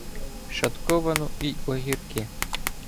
Шатковану, і огірки